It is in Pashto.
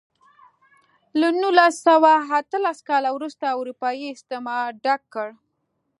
له نولس سوه اتلس کال وروسته اروپايي استعمار ډک کړ.